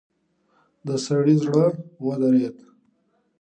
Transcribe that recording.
د سړي زړه ودرېد.